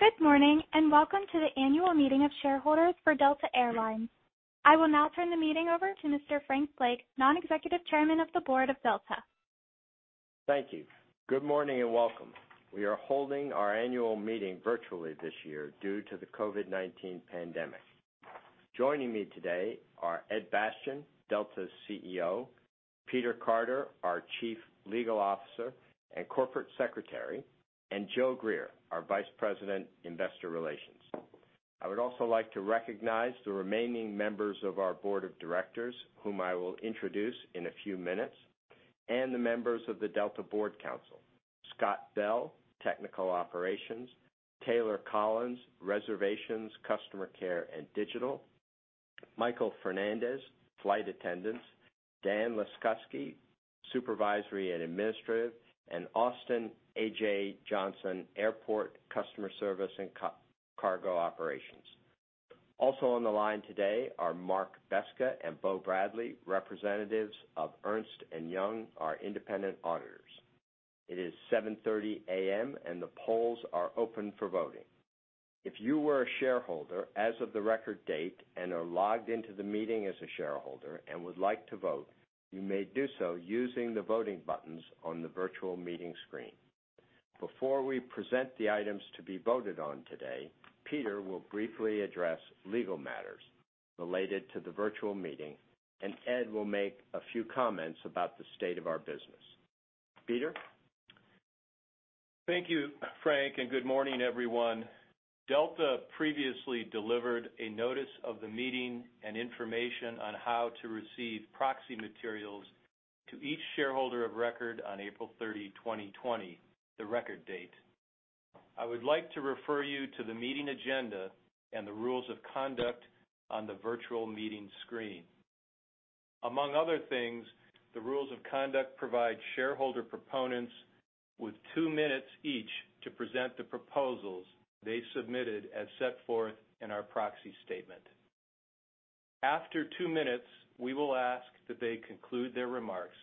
Good morning, welcome to the annual meeting of shareholders for Delta Air Lines. I will now turn the meeting over to Mr. Frank Blake, Non-Executive Chairman of the Board of Delta. Thank you. Good morning, welcome. We are holding our annual meeting virtually this year due to the COVID-19 pandemic. Joining me today are Ed Bastian, Delta's CEO, Peter Carter, our Chief Legal Officer and Corporate Secretary, Julie Stewart, our Vice President, Investor Relations. I would also like to recognize the remaining members of our Board of Directors, whom I will introduce in a few minutes, the members of the Delta Board Council, Scott Bell, Technical Operations, Taylor Collins, Reservations, Customer Care, and Digital, Michael Fernandez, Flight Attendants, Dan Janki, Supervisory and Administrative, Austin Johnson, Airport Customer Service and Cargo Operations. Also on the line today are Mark Besca and Robert Bradley, representatives of Ernst & Young, our independent auditors. It is 7:30 A.M., the polls are open for voting. If you were a shareholder as of the record date and are logged into the meeting as a shareholder and would like to vote, you may do so using the voting buttons on the virtual meeting screen. Before we present the items to be voted on today, Peter will briefly address legal matters related to the virtual meeting, Ed will make a few comments about the state of our business. Peter? Thank you, Frank, good morning, everyone. Delta previously delivered a notice of the meeting and information on how to receive proxy materials to each shareholder of record on April 30, 2020, the record date. I would like to refer you to the meeting agenda and the rules of conduct on the virtual meeting screen. Among other things, the rules of conduct provide shareholder proponents with two minutes each to present the proposals they submitted as set forth in our proxy statement. After two minutes, we will ask that they conclude their remarks,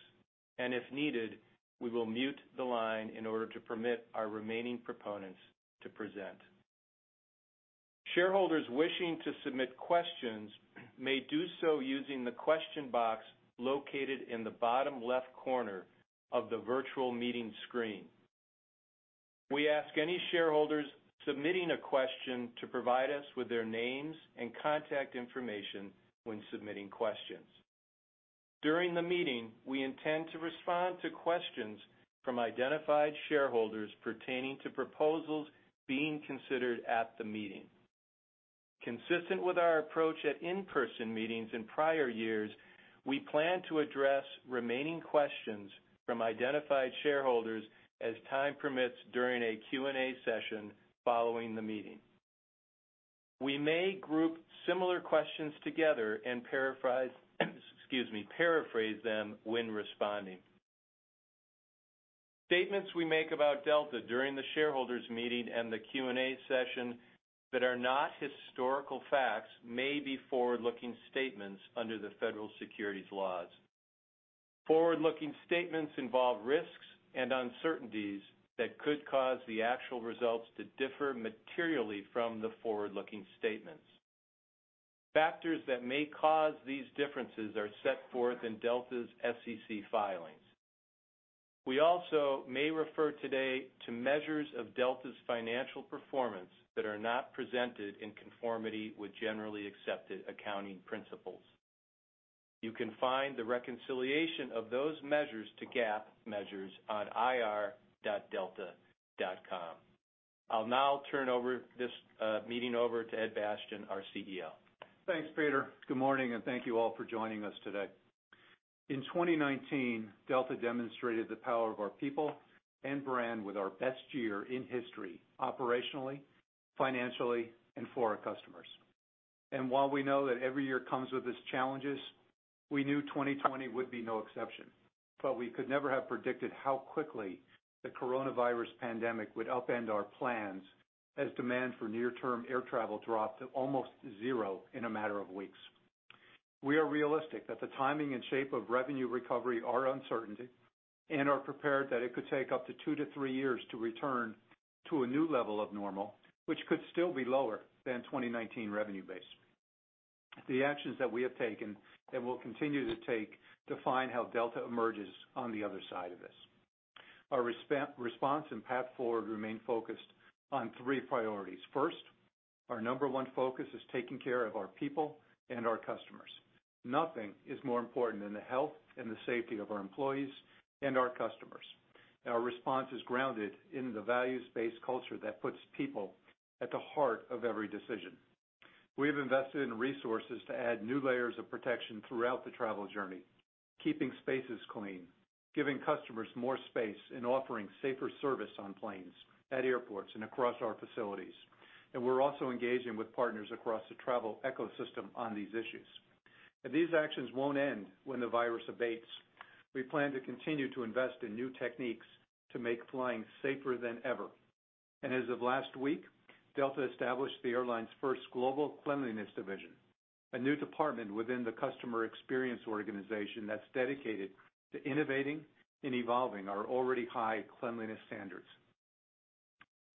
if needed, we will mute the line in order to permit our remaining proponents to present. Shareholders wishing to submit questions may do so using the question box located in the bottom left corner of the virtual meeting screen. We ask any shareholders submitting a question to provide us with their names and contact information when submitting questions. During the meeting, we intend to respond to questions from identified shareholders pertaining to proposals being considered at the meeting. Consistent with our approach at in-person meetings in prior years, we plan to address remaining questions from identified shareholders as time permits during a Q&A session following the meeting. We may group similar questions together and paraphrase them when responding. Statements we make about Delta during the shareholders meeting and the Q&A session that are not historical facts may be forward-looking statements under the federal securities laws. Forward-looking statements involve risks and uncertainties that could cause the actual results to differ materially from the forward-looking statements. Factors that may cause these differences are set forth in Delta's SEC filings. We also may refer today to measures of Delta's financial performance that are not presented in conformity with generally accepted accounting principles. You can find the reconciliation of those measures to GAAP measures on ir.delta.com. I'll now turn this meeting over to Ed Bastian, our CEO. Thanks, Peter. Good morning. Thank you all for joining us today. In 2019, Delta demonstrated the power of our people and brand with our best year in history, operationally, financially, and for our customers. While we know that every year comes with its challenges, we knew 2020 would be no exception. We could never have predicted how quickly the coronavirus pandemic would upend our plans as demand for near-term air travel dropped to almost zero in a matter of weeks. We are realistic that the timing and shape of revenue recovery are uncertainty and are prepared that it could take up to two to three years to return to a new level of normal, which could still be lower than 2019 revenue base. The actions that we have taken and will continue to take define how Delta emerges on the other side of this. Our response and path forward remain focused on three priorities. First, our number one focus is taking care of our people and our customers. Nothing is more important than the health and the safety of our employees and our customers. Our response is grounded in the values-based culture that puts people at the heart of every decision. We've invested in resources to add new layers of protection throughout the travel journey, keeping spaces clean, giving customers more space, and offering safer service on planes, at airports, and across our facilities. We're also engaging with partners across the travel ecosystem on these issues. These actions won't end when the virus abates. We plan to continue to invest in new techniques to make flying safer than ever. As of last week, Delta established the airline's first Global Cleanliness division. A new department within the customer experience organization that's dedicated to innovating and evolving our already high cleanliness standards.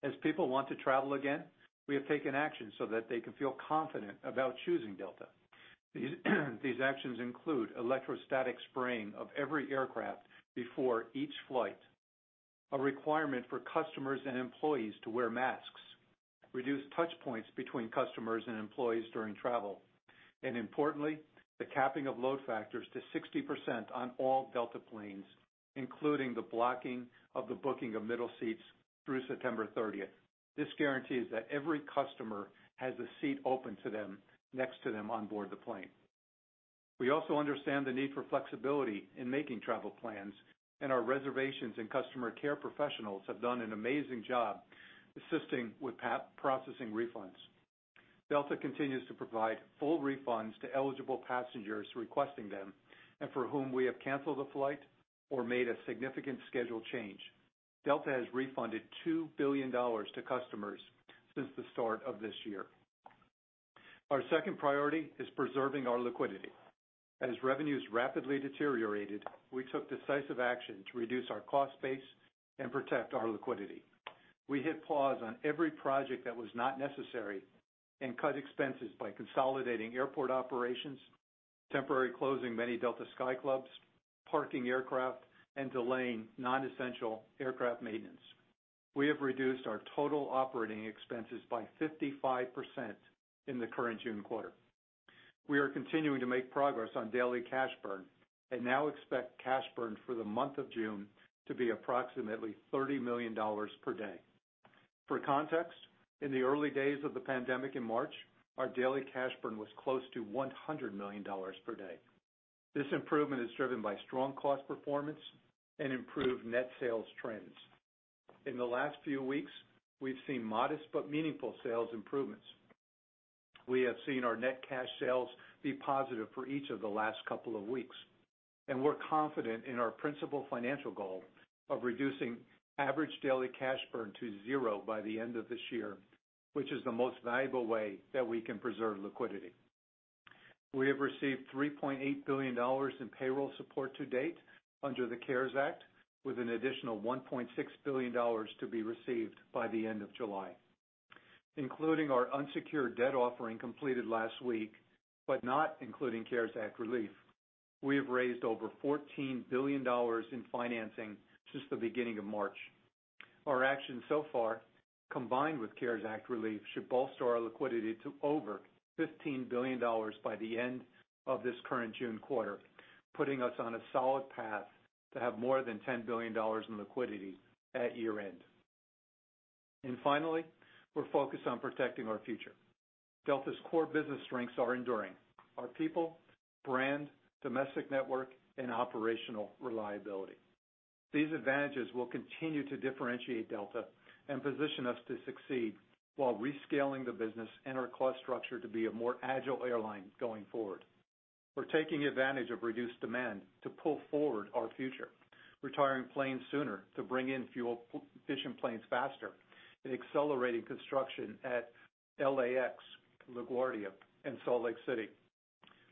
As people want to travel again, we have taken action so that they can feel confident about choosing Delta. These actions include electrostatic spraying of every aircraft before each flight, a requirement for customers and employees to wear masks, reduced touchpoints between customers and employees during travel, and importantly, the capping of load factors to 60% on all Delta planes, including the blocking of the booking of middle seats through September 30th. This guarantees that every customer has a seat open to them, next to them onboard the plane. We also understand the need for flexibility in making travel plans, and our reservations and customer care professionals have done an amazing job assisting with processing refunds. Delta continues to provide full refunds to eligible passengers requesting them, and for whom we have canceled a flight or made a significant schedule change. Delta has refunded $2 billion to customers since the start of this year. Our second priority is preserving our liquidity. As revenues rapidly deteriorated, we took decisive action to reduce our cost base and protect our liquidity. We hit pause on every project that was not necessary and cut expenses by consolidating airport operations, temporarily closing many Delta Sky Club, parking aircraft, and delaying non-essential aircraft maintenance. We have reduced our total operating expenses by 55% in the current June quarter. We are continuing to make progress on daily cash burn, and now expect cash burn for the month of June to be approximately $30 million per day. For context, in the early days of the pandemic in March, our daily cash burn was close to $100 million per day. This improvement is driven by strong cost performance and improved net sales trends. In the last few weeks, we've seen modest but meaningful sales improvements. We have seen our net cash sales be positive for each of the last couple of weeks, and we're confident in our principal financial goal of reducing average daily cash burn to zero by the end of this year, which is the most valuable way that we can preserve liquidity. We have received $3.8 billion in payroll support to date under the CARES Act, with an additional $1.6 billion to be received by the end of July. Including our unsecured debt offering completed last week, but not including CARES Act relief, we have raised over $14 billion in financing since the beginning of March. Our actions so far, combined with CARES Act relief, should bolster our liquidity to over $15 billion by the end of this current June quarter, putting us on a solid path to have more than $10 billion in liquidity at year-end. Finally, we're focused on protecting our future. Delta's core business strengths are enduring. Our people, brand, domestic network, and operational reliability. These advantages will continue to differentiate Delta and position us to succeed while rescaling the business and our cost structure to be a more agile airline going forward. We're taking advantage of reduced demand to pull forward our future, retiring planes sooner to bring in fuel-efficient planes faster, and accelerating construction at LAX, LaGuardia, and Salt Lake City.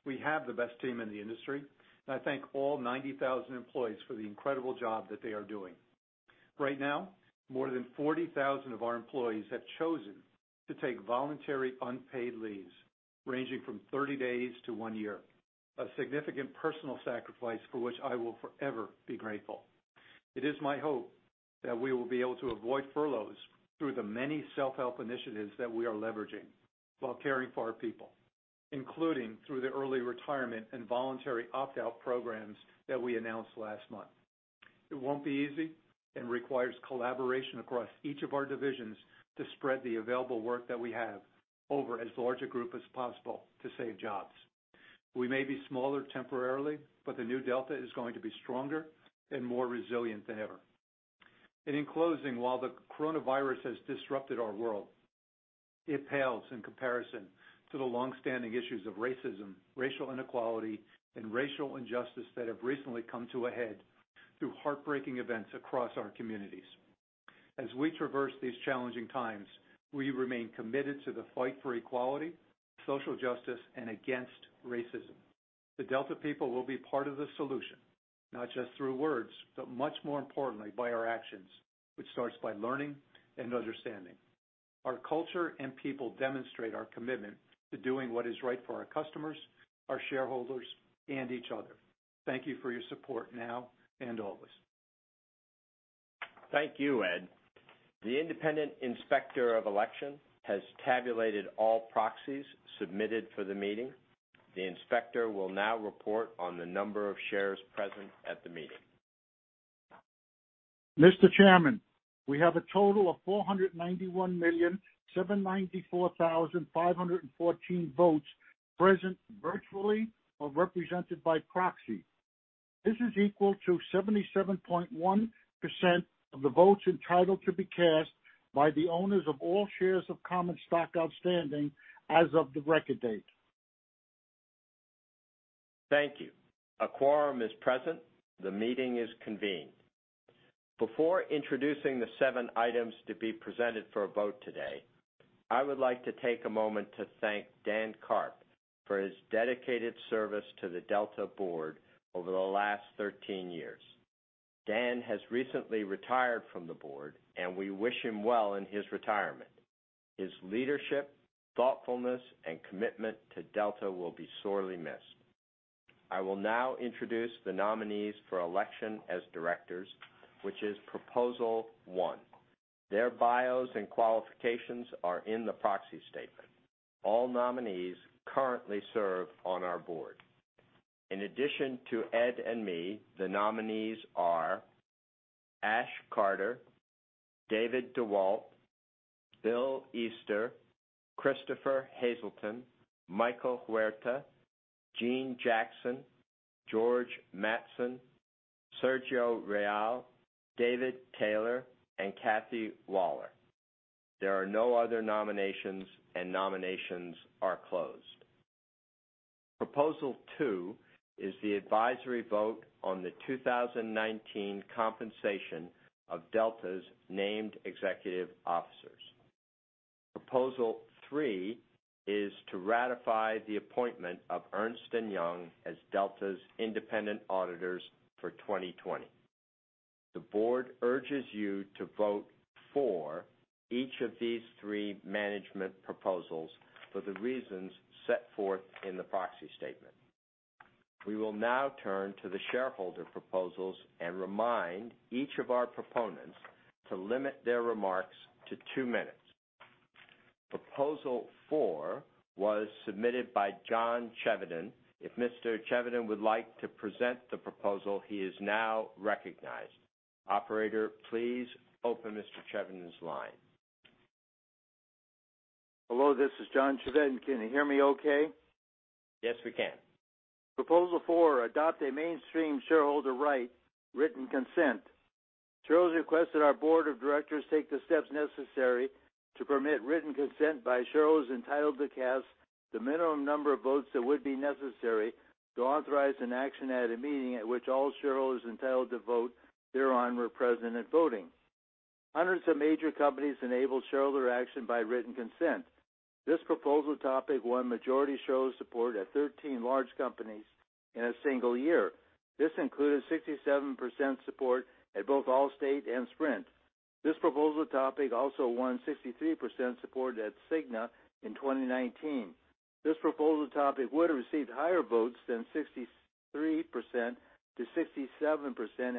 We have the best team in the industry, I thank all 90,000 employees for the incredible job that they are doing. Right now, more than 40,000 of our employees have chosen to take voluntary unpaid leaves, ranging from 30 days to one year. A significant personal sacrifice for which I will forever be grateful. It is my hope that we will be able to avoid furloughs through the many self-help initiatives that we are leveraging while caring for our people, including through the early retirement and voluntary opt-out programs that we announced last month. It won't be easy and requires collaboration across each of our divisions to spread the available work that we have over as large a group as possible to save jobs. We may be smaller temporarily, but the new Delta is going to be stronger and more resilient than ever. In closing, while the coronavirus has disrupted our world, it pales in comparison to the longstanding issues of racism, racial inequality, and racial injustice that have recently come to a head through heartbreaking events across our communities. As we traverse these challenging times, we remain committed to the fight for equality, social justice, and against racism. The Delta people will be part of the solution, not just through words, but much more importantly, by our actions, which starts by learning and understanding. Our culture and people demonstrate our commitment to doing what is right for our customers, our shareholders, and each other. Thank you for your support now and always. Thank you, Ed. The independent inspector of election has tabulated all proxies submitted for the meeting. The inspector will now report on the number of shares present at the meeting. Mr. Chairman, we have a total of 491,794,514 votes present virtually or represented by proxy. This is equal to 77.1% of the votes entitled to be cast by the owners of all shares of common stock outstanding as of the record date. Thank you. A quorum is present. The meeting is convened. Before introducing the seven items to be presented for a vote today, I would like to take a moment to thank Daniel Carp for his dedicated service to the Delta board over the last 13 years. Dan has recently retired from the board, and we wish him well in his retirement. His leadership, thoughtfulness, and commitment to Delta will be sorely missed. I will now introduce the nominees for election as directors, which is Proposal One. Their bios and qualifications are in the proxy statement. All nominees currently serve on our board. In addition to Ed and me, the nominees are Ashton Carter, David DeWalt, Bill Easter, Christopher Hazleton, Michael Huerta, Jeanne Jackson, George Mattson, Sergio Rial, David Taylor, and Kathy Waller. There are no other nominations, and nominations are closed. Proposal Two is the advisory vote on the 2019 compensation of Delta's named executive officers. Proposal Three is to ratify the appointment of Ernst & Young as Delta's independent auditors for 2020. The board urges you to vote for each of these three management proposals for the reasons set forth in the proxy statement. We will now turn to the shareholder proposals and remind each of our proponents to limit their remarks to two minutes. Proposal Four was submitted by John Chevedden. If Mr. Chevedden would like to present the proposal, he is now recognized. Operator, please open Mr. Chevedden's line. Hello, this is John Chevedden. Can you hear me okay? Yes, we can. Proposal 4, adopt a mainstream shareholder right, written consent. Shareholders request that our board of directors take the steps necessary to permit written consent by shareholders entitled to cast the minimum number of votes that would be necessary to authorize an action at a meeting at which all shareholders entitled to vote thereon were present at voting. Hundreds of major companies enable shareholder action by written consent. This proposal topic won majority shareholder support at 13 large companies in a single year. This included 67% support at both Allstate and Sprint. This proposal topic also won 63% support at Cigna in 2019. This proposal topic would have received higher votes than 63%-67%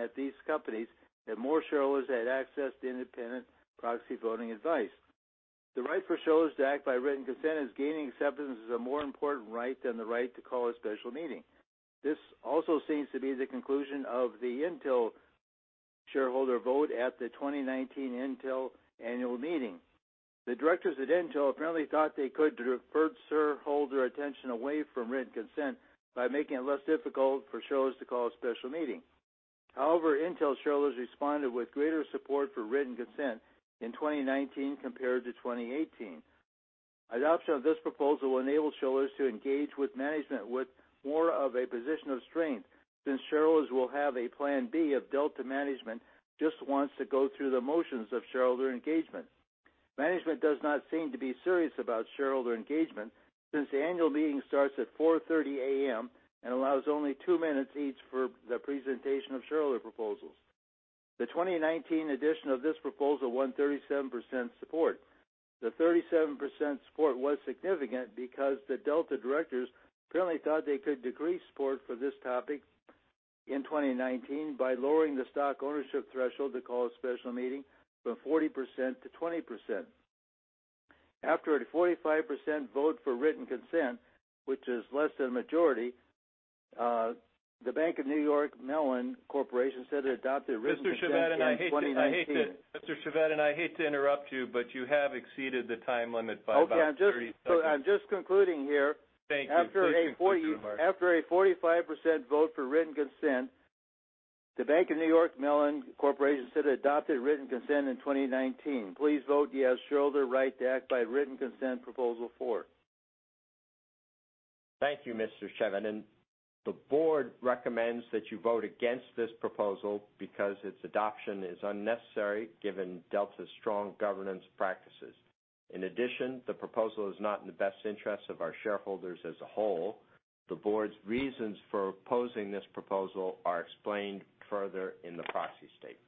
at these companies if more shareholders had access to independent proxy voting advice. The right for shareholders to act by written consent is gaining acceptance as a more important right than the right to call a special meeting. This also seems to be the conclusion of the Intel shareholder vote at the 2019 Intel annual meeting. The directors at Intel apparently thought they could divert shareholder attention away from written consent by making it less difficult for shareholders to call a special meeting. Intel shareholders responded with greater support for written consent in 2019 compared to 2018. Adoption of this proposal will enable shareholders to engage with management with more of a position of strength, since shareholders will have a plan B if Delta management just wants to go through the motions of shareholder engagement. Management does not seem to be serious about shareholder engagement since the annual meeting starts at 4:30 A.M. and allows only two minutes each for the presentation of shareholder proposals. The 2019 edition of this proposal won 37% support. The 37% support was significant because the Delta directors apparently thought they could decrease support for this topic in 2019 by lowering the stock ownership threshold to call a special meeting from 40%-20%. After a 45% vote for written consent, which is less than a majority, The Bank of New York Mellon Corporation said it adopted written consent in 2019. Mr. Chevedden, I hate to interrupt you have exceeded the time limit by about 30 seconds. Okay. I'm just concluding here. Thank you. Please conclude your remarks. After a 45% vote for written consent, The Bank of New York Mellon Corporation said it adopted written consent in 2019. Please vote yes, shareholder right to act by written consent Proposal Four. Thank you, Mr. Chevedden. The board recommends that you vote against this proposal because its adoption is unnecessary given Delta's strong governance practices. In addition, the proposal is not in the best interest of our shareholders as a whole. The board's reasons for opposing this proposal are explained further in the proxy statement.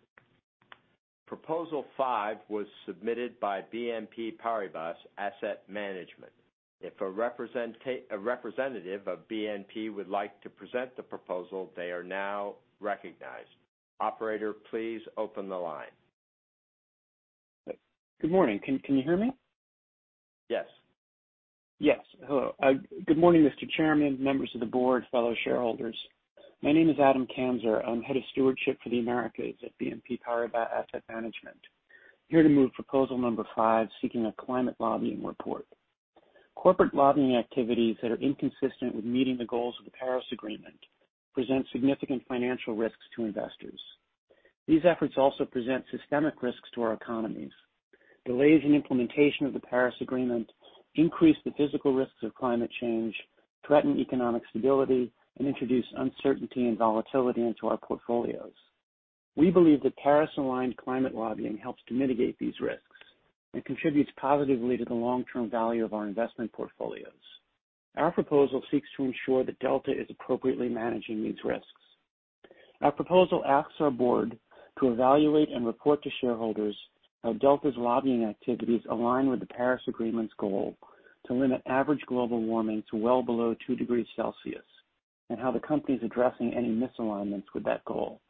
Proposal Five was submitted by BNP Paribas Asset Management. If a representative of BNP would like to present the proposal, they are now recognized. Operator, please open the line. Good morning. Can you hear me? Yes. Yes. Hello. Good morning, Mr. Chairman, members of the board, fellow shareholders. My name is Adam Kanzer. I am head of stewardship for the Americas at BNP Paribas Asset Management. I am here to move proposal number five, seeking a climate lobbying report. Corporate lobbying activities that are inconsistent with meeting the goals of the Paris Agreement present significant financial risks to investors. These efforts also present systemic risks to our economies. Delays in implementation of the Paris Agreement increase the physical risks of climate change, threaten economic stability, and introduce uncertainty and volatility into our portfolios. We believe that Paris-aligned climate lobbying helps to mitigate these risks and contributes positively to the long-term value of our investment portfolios. Our proposal seeks to ensure that Delta is appropriately managing these risks. Our proposal asks our board to evaluate and report to shareholders how Delta's lobbying activities align with the Paris Agreement's goal to limit average global warming to well below two degrees Celsius, and how the company is addressing any misalignments with that goal.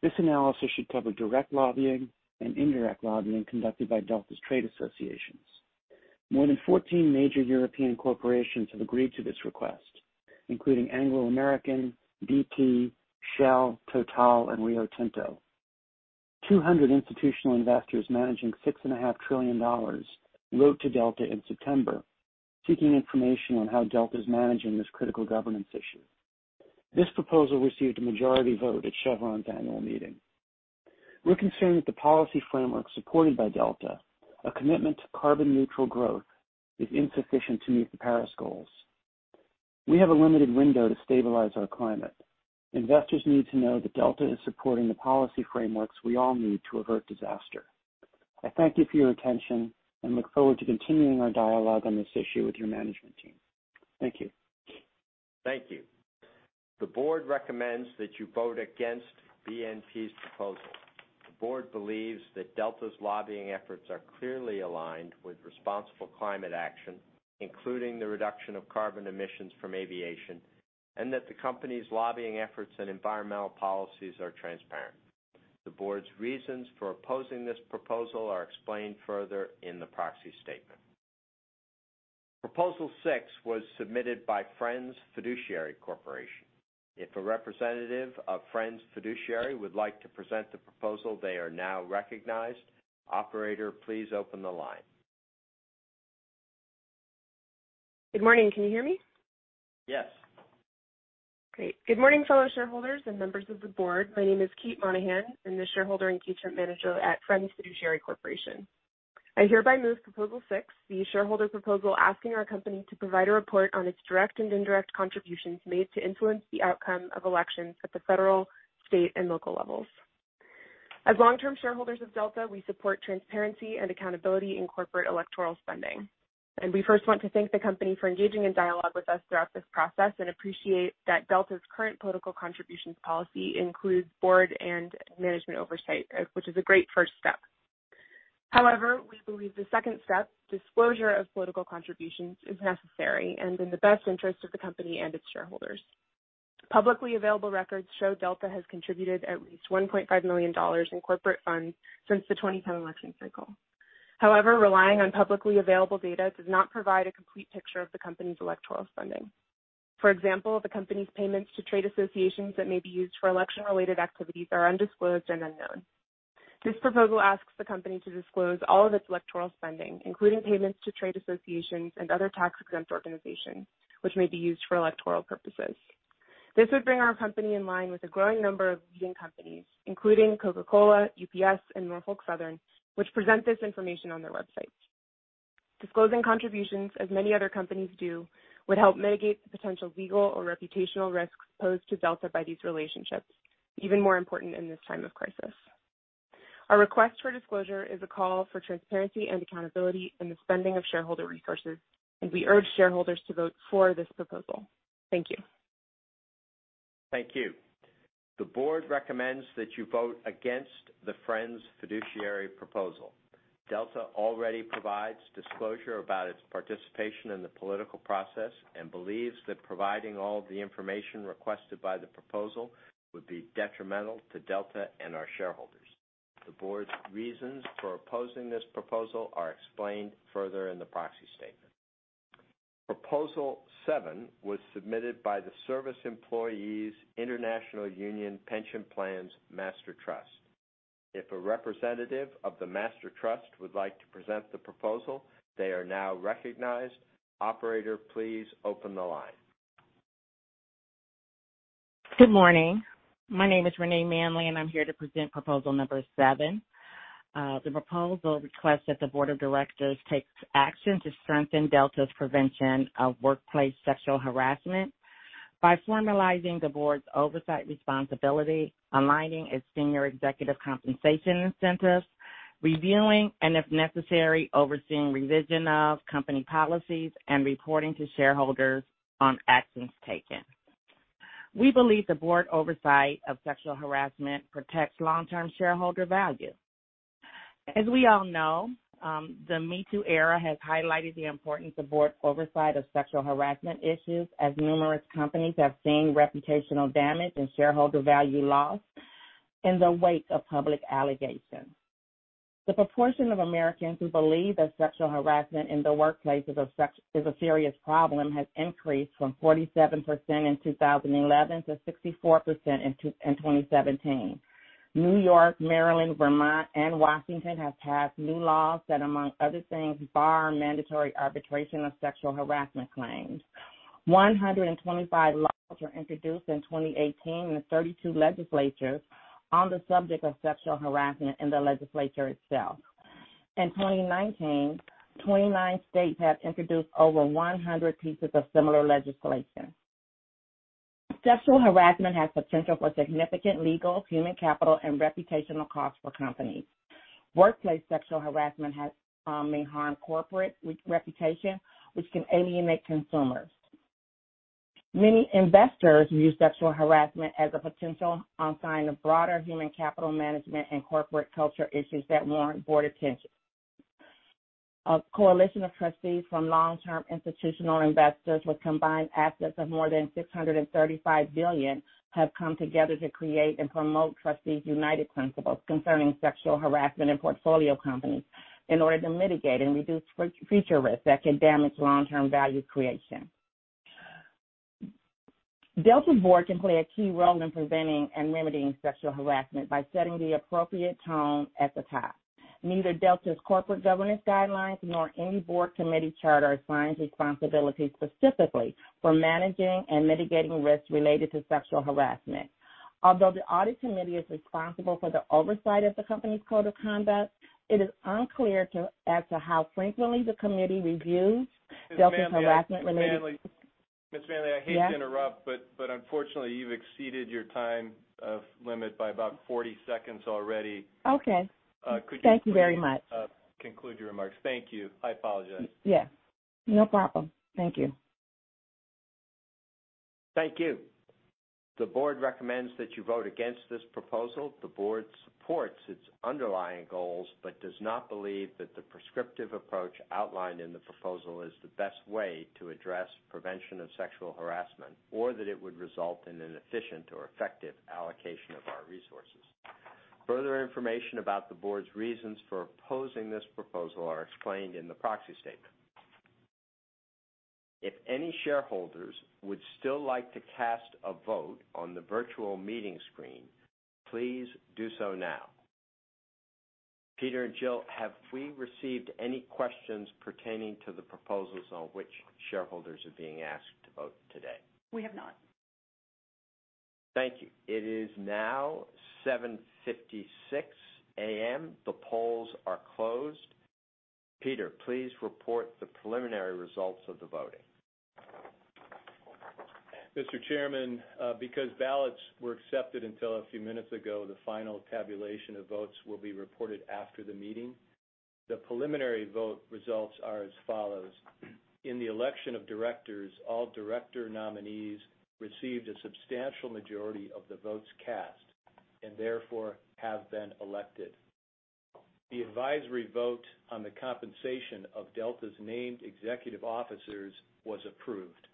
This analysis should cover direct lobbying and indirect lobbying conducted by Delta's trade associations. More than 14 major European corporations have agreed to this request, including Anglo American, BP, Shell, Total, and Rio Tinto. 200 institutional investors managing six and a half trillion dollars wrote to Delta in September, seeking information on how Delta is managing this critical governance issue. This proposal received a majority vote at Chevron's annual meeting. We are concerned that the policy framework supported by Delta, a commitment to carbon neutral growth, is insufficient to meet the Paris goals. We have a limited window to stabilize our climate. Investors need to know that Delta is supporting the policy frameworks we all need to avert disaster. I thank you for your attention and look forward to continuing our dialogue on this issue with your management team. Thank you. Thank you. The board recommends that you vote against BNP's proposal. The board believes that Delta's lobbying efforts are clearly aligned with responsible climate action, including the reduction of carbon emissions from aviation, and that the company's lobbying efforts and environmental policies are transparent. The board's reasons for opposing this proposal are explained further in the proxy statement. Proposal six was submitted by Friends Fiduciary Corporation. If a representative of Friends Fiduciary would like to present the proposal, they are now recognized. Operator, please open the line. Good morning. Can you hear me? Yes. Great. Good morning, fellow shareholders and members of the board. My name is Kate Monahan. I'm the shareholder engagement manager at Friends Fiduciary Corporation. I hereby move proposal six, the shareholder proposal asking our company to provide a report on its direct and indirect contributions made to influence the outcome of elections at the federal, state, and local levels. As long-term shareholders of Delta, we support transparency and accountability in corporate electoral spending. We first want to thank the company for engaging in dialogue with us throughout this process and appreciate that Delta's current political contributions policy includes board and management oversight, which is a great first step. However, we believe the second step, disclosure of political contributions, is necessary and in the best interest of the company and its shareholders. Publicly available records show Delta has contributed at least $1.5 million in corporate funds since the 2010 election cycle. However, relying on publicly available data does not provide a complete picture of the company's electoral spending. For example, the company's payments to trade associations that may be used for election-related activities are undisclosed and unknown. This proposal asks the company to disclose all of its electoral spending, including payments to trade associations and other tax-exempt organizations, which may be used for electoral purposes. This would bring our company in line with a growing number of leading companies, including Coca-Cola, UPS, and Norfolk Southern, which present this information on their websites. Disclosing contributions, as many other companies do, would help mitigate the potential legal or reputational risks posed to Delta by these relationships, even more important in this time of crisis. Our request for disclosure is a call for transparency and accountability in the spending of shareholder resources. We urge shareholders to vote for this proposal. Thank you. Thank you. The board recommends that you vote against the Friends Fiduciary proposal. Delta already provides disclosure about its participation in the political process and believes that providing all the information requested by the proposal would be detrimental to Delta and our shareholders. The board's reasons for opposing this proposal are explained further in the proxy statement. Proposal 7 was submitted by the Service Employees International Union Pension Plans Master Trust. If a representative of the Master Trust would like to present the proposal, they are now recognized. Operator, please open the line. Good morning. My name is Renaye Manley, and I'm here to present proposal number 7. The proposal requests that the board of directors takes action to strengthen Delta's prevention of workplace sexual harassment by formalizing the board's oversight responsibility, aligning its senior executive compensation incentives, reviewing, and if necessary, overseeing revision of company policies and reporting to shareholders on actions taken. We believe the board oversight of sexual harassment protects long-term shareholder value. As we all know, the MeToo era has highlighted the importance of board oversight of sexual harassment issues, as numerous companies have seen reputational damage and shareholder value loss in the wake of public allegations. The proportion of Americans who believe that sexual harassment in the workplace is a serious problem has increased from 47% in 2011 to 64% in 2017. New York, Maryland, Vermont, and Washington have passed new laws that, among other things, bar mandatory arbitration of sexual harassment claims. 125 laws were introduced in 2018 in the 32 legislatures on the subject of sexual harassment in the legislature itself. In 2019, 29 states have introduced over 100 pieces of similar legislation. Sexual harassment has potential for significant legal, human capital, and reputational costs for companies. Workplace sexual harassment may harm corporate reputation, which can alienate consumers. Many investors view sexual harassment as a potential sign of broader human capital management and corporate culture issues that warrant board attention. A coalition of trustees from long-term institutional investors with combined assets of more than $635 billion have come together to create and promote trustees' united principles concerning sexual harassment in portfolio companies in order to mitigate and reduce future risks that could damage long-term value creation. Delta board can play a key role in preventing and remedying sexual harassment by setting the appropriate tone at the top. Neither Delta's corporate governance guidelines nor any board committee charter assigns responsibility specifically for managing and mitigating risks related to sexual harassment. Although the audit committee is responsible for the oversight of the company's code of conduct, it is unclear as to how frequently the committee reviews Delta's harassment-related- Ms. Manley. Yes? Ms. Manley, I hate to interrupt, but unfortunately, you've exceeded your time limit by about 40 seconds already. Okay. Could you please- Thank you very much conclude your remarks. Thank you. I apologize. Yeah. No problem. Thank you. Thank you. The board recommends that you vote against this proposal. The board supports its underlying goals but does not believe that the prescriptive approach outlined in the proposal is the best way to address prevention of sexual harassment, or that it would result in an efficient or effective allocation of our resources. Further information about the board's reasons for opposing this proposal are explained in the proxy statement. If any shareholders would still like to cast a vote on the virtual meeting screen, please do so now. Peter and Jill, have we received any questions pertaining to the proposals on which shareholders are being asked to vote today? We have not. Thank you. It is now 7:56 A.M. The polls are closed. Peter, please report the preliminary results of the voting. Mr. Chairman, because ballots were accepted until a few minutes ago, the final tabulation of votes will be reported after the meeting. The preliminary vote results are as follows. In the election of directors, all director nominees received a substantial majority of the votes cast and therefore have been elected. The advisory vote on the compensation of Delta's named executive officers was approved.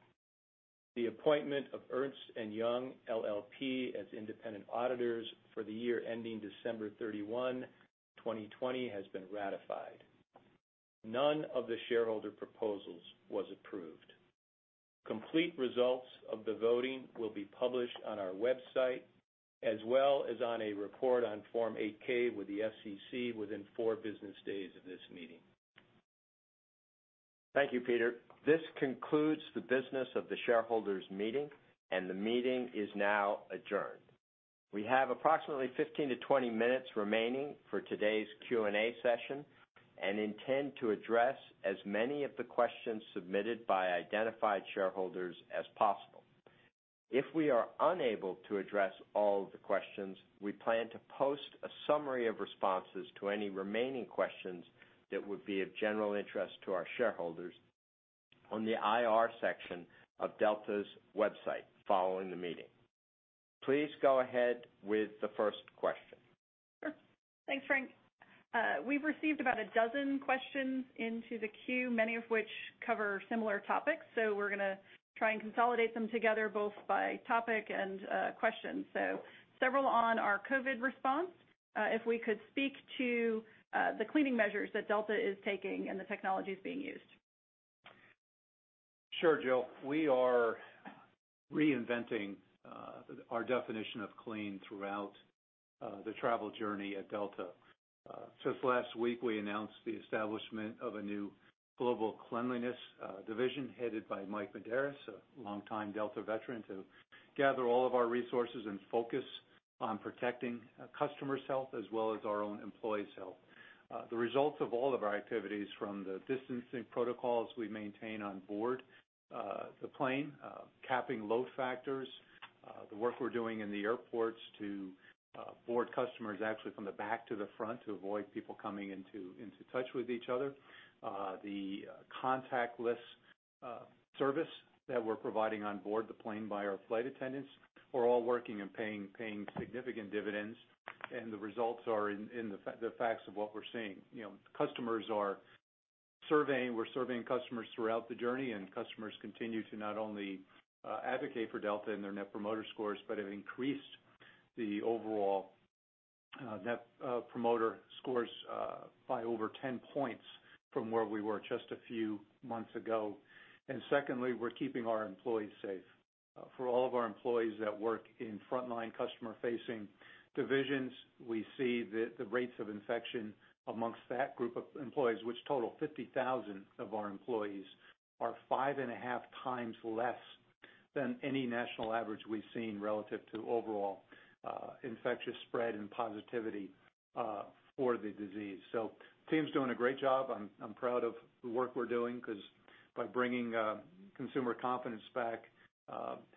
The appointment of Ernst & Young LLP as independent auditors for the year ending December 31, 2020, has been ratified. None of the shareholder proposals was approved. Complete results of the voting will be published on our website, as well as on a report on Form 8-K with the SEC within four business days of this meeting. Thank you, Peter. This concludes the business of the shareholders meeting, and the meeting is now adjourned. We have approximately 15 to 20 minutes remaining for today's Q&A session and intend to address as many of the questions submitted by identified shareholders as possible. If we are unable to address all of the questions, we plan to post a summary of responses to any remaining questions that would be of general interest to our shareholders on the IR section of Delta's website following the meeting. Please go ahead with the first question. Sure. Thanks, Frank. We've received about a dozen questions into the queue, many of which cover similar topics, so we're going to try and consolidate them together, both by topic and question. Several on our COVID response. If we could speak to the cleaning measures that Delta is taking and the technologies being used. Sure, Jill. We are reinventing our definition of clean throughout the travel journey at Delta. Just last week, we announced the establishment of a new Global Cleanliness division headed by Mike Medeiros, a longtime Delta veteran, to gather all of our resources and focus on protecting customers' health as well as our own employees' health. The results of all of our activities, from the distancing protocols we maintain on board the plane, capping load factors, the work we're doing in the airports to board customers actually from the back to the front to avoid people coming into touch with each other, the contactless service that we're providing on board the plane by our flight attendants are all working and paying significant dividends. The results are in the facts of what we're seeing. We're surveying customers throughout the journey. Customers continue to not only advocate for Delta in their Net Promoter Scores, but have increased the overall Net Promoter Scores by over 10 points from where we were just a few months ago. Secondly, we're keeping our employees safe. For all of our employees that work in frontline customer-facing divisions, we see that the rates of infection amongst that group of employees, which total 50,000 of our employees, are five and a half times less than any national average we've seen relative to overall infectious spread and positivity for the disease. The team's doing a great job. I'm proud of the work we're doing because by bringing consumer confidence back,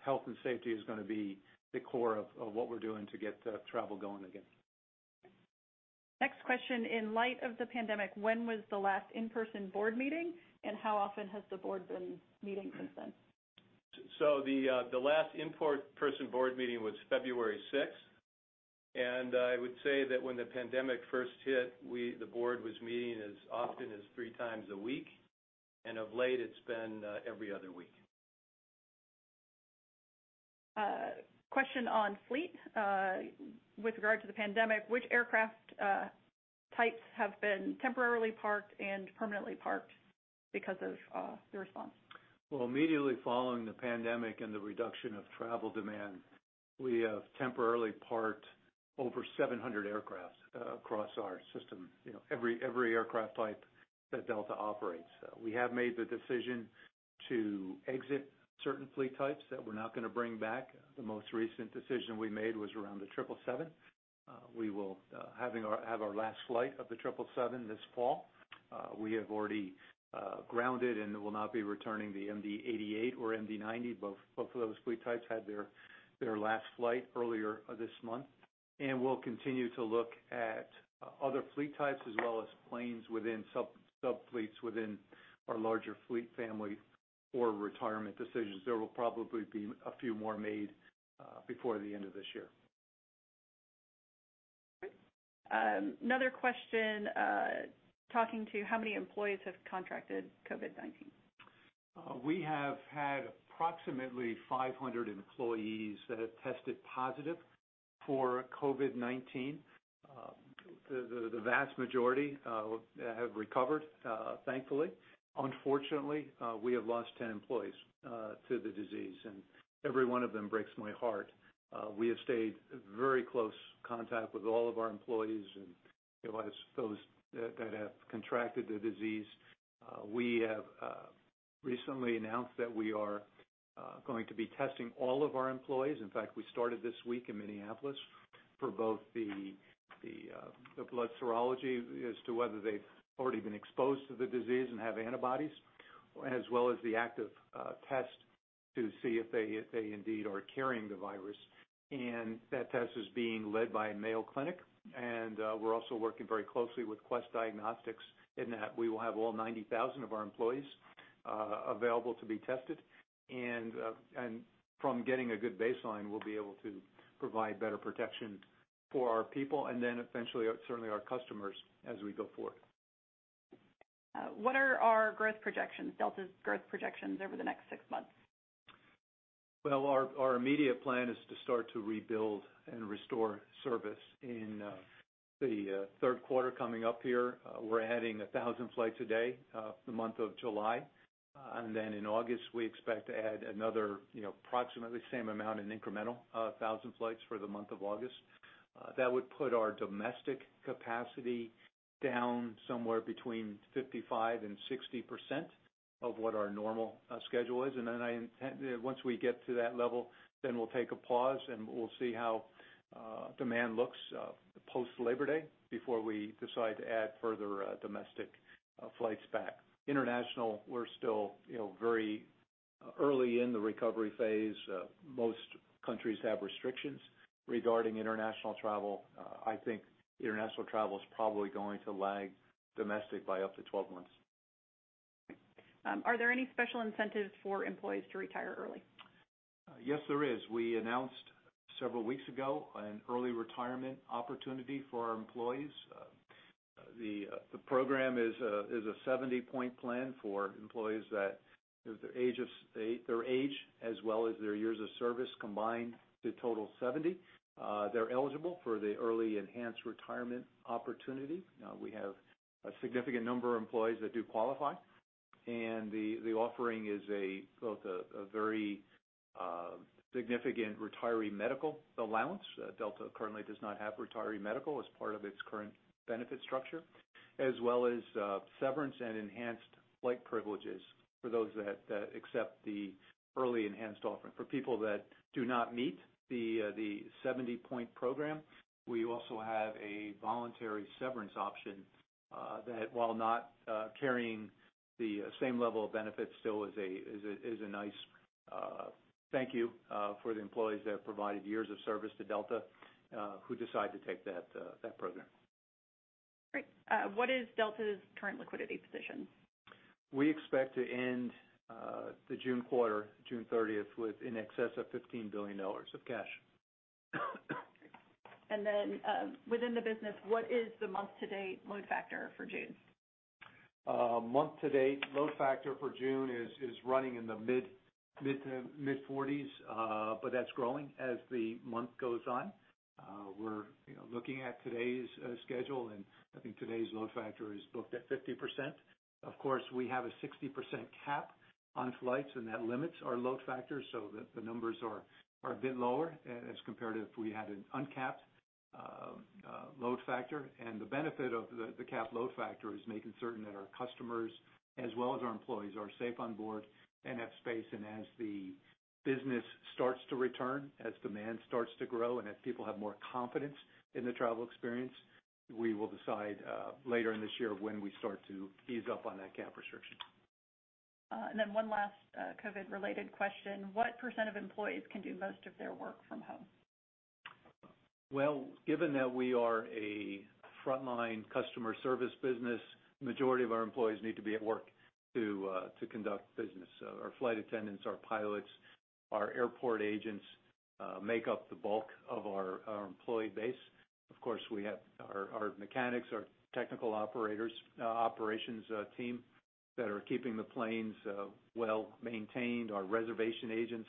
health and safety is going to be the core of what we're doing to get travel going again. Next question. In light of the pandemic, when was the last in-person board meeting, and how often has the board been meeting since then? The last in-person board meeting was February 6th. I would say that when the pandemic first hit, the board was meeting as often as three times a week, and of late it's been every other week. A question on fleet. With regard to the pandemic, which aircraft types have been temporarily parked and permanently parked because of the response? Well, immediately following the pandemic and the reduction of travel demand, we have temporarily parked over 700 aircraft across our system. Every aircraft type that Delta operates. We have made the decision to exit certain fleet types that we're not going to bring back. The most recent decision we made was around the Boeing 777. We will have our last flight of the Boeing 777 this fall. We have already grounded and will not be returning the McDonnell Douglas MD-88 or McDonnell Douglas MD-90. Both of those fleet types had their last flight earlier this month. We'll continue to look at other fleet types as well as planes within sub-fleets within our larger fleet family for retirement decisions. There will probably be a few more made before the end of this year. Great. Another question. Talking to how many employees have contracted COVID-19? We have had approximately 500 employees that have tested positive for COVID-19. The vast majority have recovered, thankfully. Unfortunately, we have lost 10 employees to the disease, every one of them breaks my heart. We have stayed very close contact with all of our employees and those that have contracted the disease. We have recently announced that we are going to be testing all of our employees. In fact, we started this week in Minneapolis for both the blood serology as to whether they've already been exposed to the disease and have antibodies, as well as the active test to see if they indeed are carrying the virus. That test is being led by Mayo Clinic, and we're also working very closely with Quest Diagnostics in that we will have all 90,000 of our employees available to be tested. From getting a good baseline, we'll be able to provide better protection for our people and then eventually, certainly our customers as we go forward. What are our growth projections, Delta's growth projections over the next six months? Our immediate plan is to start to rebuild and restore service in the third quarter coming up here. We're adding 1,000 flights a day the month of July. In August, we expect to add another approximately the same amount in incremental 1,000 flights for the month of August. That would put our domestic capacity down somewhere between 55%-60% of what our normal schedule is. Once we get to that level, then we'll take a pause, and we'll see how demand looks post Labor Day before we decide to add further domestic flights back. International, we're still very early in the recovery phase. Most countries have restrictions regarding international travel. I think international travel is probably going to lag domestic by up to 12 months. Are there any special incentives for employees to retire early? Yes, there is. We announced several weeks ago an early retirement opportunity for our employees. The program is a 70-point plan for employees that their age as well as their years of service combined to total 70. They're eligible for the early enhanced retirement opportunity. We have a significant number of employees that do qualify. The offering is both a very significant retiree medical allowance. Delta currently does not have retiree medical as part of its current benefit structure. As well as severance and enhanced flight privileges for those that accept the early enhanced offering. For people that do not meet the 70-point program, we also have a voluntary severance option that, while not carrying the same level of benefits, still is a nice thank you for the employees that have provided years of service to Delta who decide to take that program. Great. What is Delta's current liquidity position? We expect to end the June quarter, June 30th, with in excess of $15 billion of cash. Within the business, what is the month-to-date load factor for June? Month-to-date load factor for June is running in the mid-40s. That's growing as the month goes on. We're looking at today's schedule, and I think today's load factor is booked at 50%. Of course, we have a 60% cap on flights, and that limits our load factors so that the numbers are a bit lower as compared to if we had an uncapped load factor. The benefit of the capped load factor is making certain that our customers, as well as our employees, are safe on board and have space. As the business starts to return, as demand starts to grow, and as people have more confidence in the travel experience, we will decide later in this year when we start to ease up on that cap restriction. One last COVID-related question. What % of employees can do most of their work from home? Given that we are a frontline customer service business, the majority of our employees need to be at work to conduct business. Our flight attendants, our pilots, our airport agents make up the bulk of our employee base. Of course, we have our mechanics, our technical operations team that are keeping the planes well-maintained, our reservation agents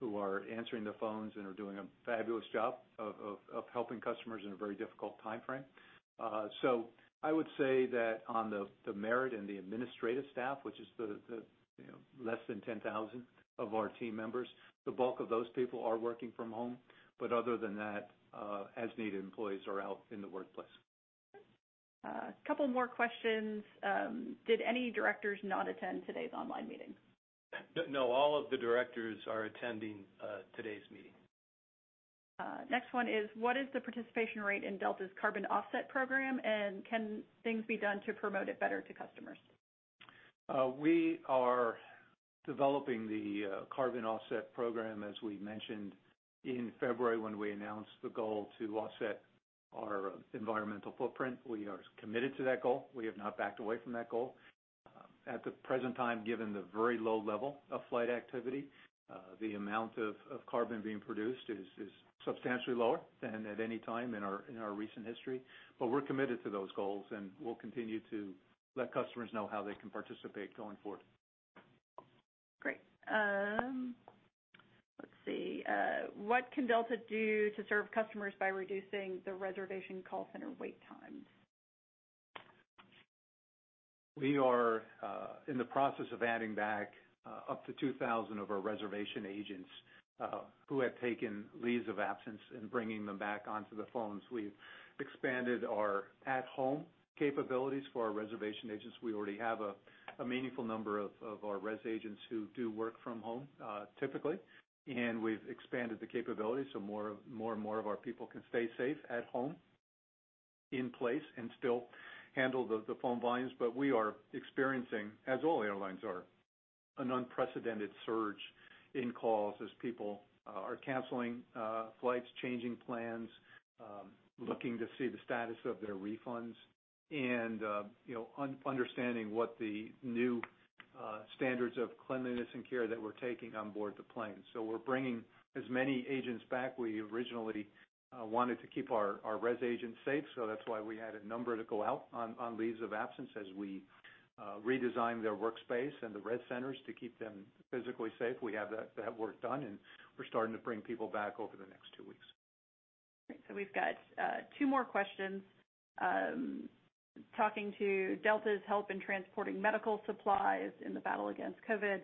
who are answering the phones and are doing a fabulous job of helping customers in a very difficult timeframe. I would say that on the merit and the administrative staff, which is the less than 10,000 of our team members, the bulk of those people are working from home. Other than that, as-needed employees are out in the workplace. Okay. A couple more questions. Did any directors not attend today's online meeting? No. All of the directors are attending today's meeting. Next one is, what is the participation rate in Delta's carbon offset program, and can things be done to promote it better to customers? We are developing the carbon offset program, as we mentioned in February, when we announced the goal to offset our environmental footprint. We are committed to that goal. We have not backed away from that goal. At the present time, given the very low level of flight activity, the amount of carbon being produced is substantially lower than at any time in our recent history. We're committed to those goals, and we'll continue to let customers know how they can participate going forward. Great. Let's see. What can Delta do to serve customers by reducing the reservation call center wait times? We are in the process of adding back up to 2,000 of our reservation agents who have taken leaves of absence and bringing them back onto the phones. We've expanded our at-home capabilities for our reservation agents. We already have a meaningful number of our res agents who do work from home, typically, and we've expanded the capability so more and more of our people can stay safe at home, in place, and still handle the phone volumes. We are experiencing, as all airlines are, an unprecedented surge in calls as people are canceling flights, changing plans, looking to see the status of their refunds, and understanding what the new standards of cleanliness and care that we're taking on board the plane. We're bringing as many agents back. We originally wanted to keep our res agents safe, that's why we had a number to go out on leaves of absence as we redesigned their workspace and the res centers to keep them physically safe. We have that work done, and we're starting to bring people back over the next two weeks. Great. We've got two more questions. Talking to Delta's help in transporting medical supplies in the battle against COVID,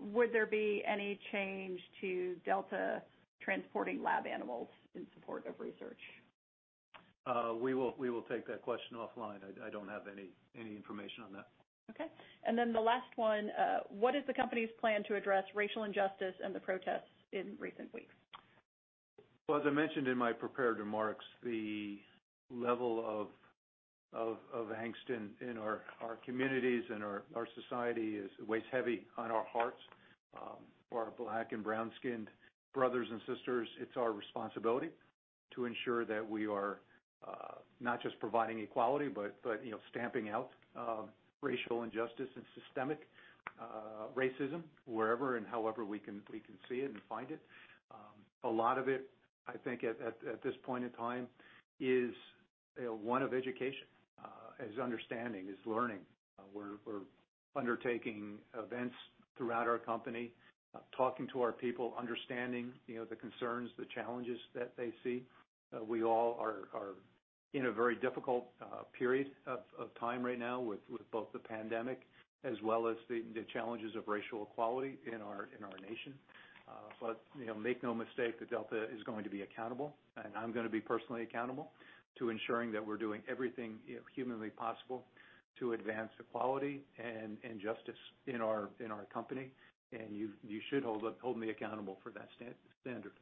would there be any change to Delta transporting lab animals in support of research? We will take that question offline. I don't have any information on that. Okay. The last one. What is the company's plan to address racial injustice and the protests in recent weeks? Well, as I mentioned in my prepared remarks, the level of angst in our communities and our society weighs heavy on our hearts. For our Black and brown-skinned brothers and sisters, it's our responsibility to ensure that we are not just providing equality, but stamping out racial injustice and systemic racism wherever and however we can see it and find it. A lot of it, I think at this point in time, is one of education. Is understanding, is learning. We're undertaking events throughout our company, talking to our people, understanding the concerns, the challenges that they see. We all are in a very difficult period of time right now with both the pandemic as well as the challenges of racial equality in our nation. make no mistake that Delta is going to be accountable, I'm going to be personally accountable to ensuring that we're doing everything humanly possible to advance equality and justice in our company. You should hold me accountable for that standard.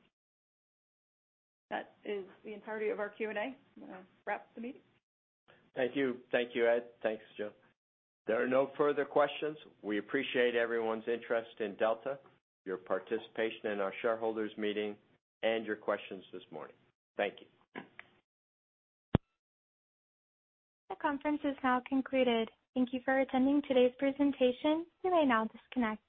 That is the entirety of our Q&A. I'm going to wrap the meeting. Thank you. Thank you, Ed. Thanks, Jill. If there are no further questions, we appreciate everyone's interest in Delta, your participation in our shareholders meeting, and your questions this morning. Thank you. The conference has now concluded. Thank you for attending today's presentation. You may now disconnect.